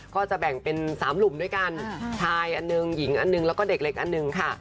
ก็จะแบ่งเป็น๓หลุมด้วยกันชายอันหนึ่งหญิงอันหนึ่งแล้วก็เด็กเล็กอันหนึ่งค่ะ